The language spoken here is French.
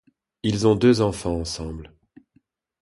Ils ont deux enfants ensemble.